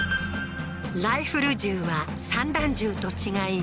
ライフル銃は散弾銃と違い